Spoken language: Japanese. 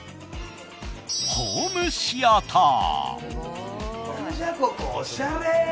ホームシアター！